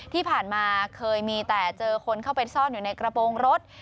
ที่ผ่านมาเคยมีแต่เจอคนเข้าไปซ่อนอยู่ในกระโปรงรถ